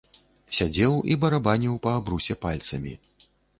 Сядзеў і барабаніў па абрусе пальцамі.